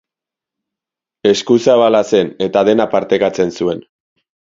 Eskuzabala zen eta dena partekatzen zuen.